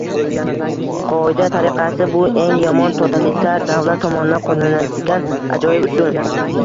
Qoida tariqasida, bu eng yomon totalitar davlatlar tomonidan qo'llaniladigan ajoyib usul: